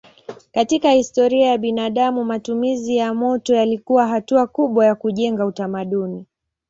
Katika historia ya binadamu matumizi ya moto yalikuwa hatua kubwa ya kujenga utamaduni.